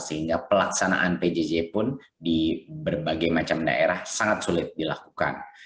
sehingga pelaksanaan pjj pun di berbagai macam daerah sangat sulit dilakukan